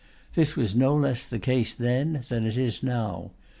This was no less the case then than it is now.